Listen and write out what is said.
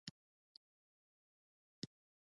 قانون ولې باید مراعات شي؟